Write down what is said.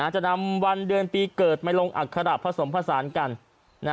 จะนำวันเดือนปีเกิดมาลงอัคระผสมผสานกัน